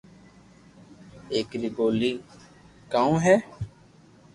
ايڪ ري ٻولي ڪاو